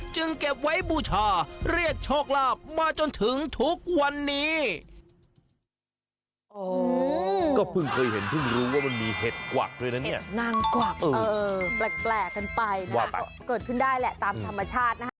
เก็บไว้บูชาเรียกโชคลาภมาจนถึงทุกวันนี้